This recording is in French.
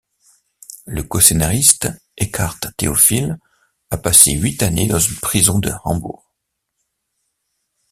Le coscénariste Eckhard Theophil a passé huit années dans une prison de Hambourg.